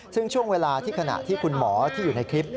ซึ่งช่วงเวลาที่ขณะที่คุณหมอที่อยู่ในคลิป